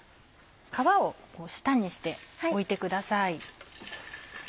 皮を下にして置いてください。